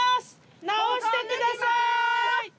直してください。